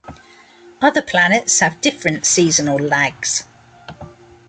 Other planets have different seasonal lags.